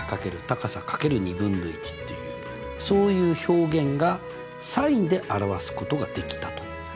高さ×２分の１っていうそういう表現がｓｉｎで表すことができたと。